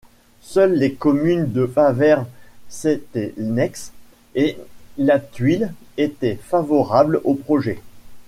Seules les communes de Faverges-Seythenex et Lathuile étaient favorables au projet.